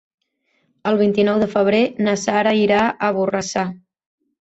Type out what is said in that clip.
El vint-i-nou de febrer na Sara irà a Borrassà.